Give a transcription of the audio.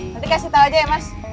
nanti kasih tahu aja ya mas